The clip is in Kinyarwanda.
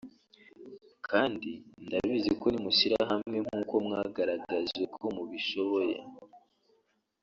kandi ndabizi ko nimushyira hamwe nkuko mwagaragaje ko mubishoboye